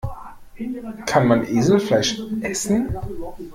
Kann man Eselfleisch essen?